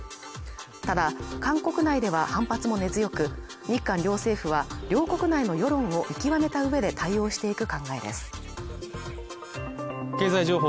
ただ韓国内では反発も根強く日韓両政府は両国内の世論を見極めたうえでいよいよ厳しい冬本番。